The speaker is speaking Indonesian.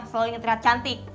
selalu inget lihat cantik